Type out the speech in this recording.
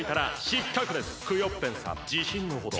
クヨッペンさんじしんのほどは？